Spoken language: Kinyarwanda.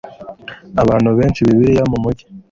abantu benshi Bibiliya mu mugi